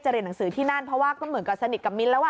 เรียนหนังสือที่นั่นเพราะว่าก็เหมือนกับสนิทกับมิ้นท์แล้ว